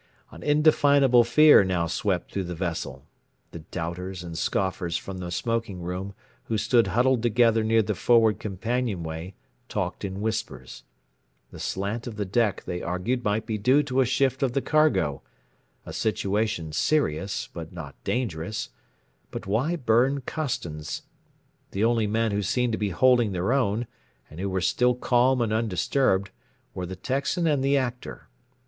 An indefinable fear now swept through the vessel. The doubters and scoffers from the smoking room who stood huddled together near the forward companion way talked in whispers. The slant of the deck they argued might be due to a shift of the cargo a situation serious, but not dangerous but why burn Costons? The only men who seemed to be holding their own, and who were still calm and undisturbed, were the Texan and the Actor.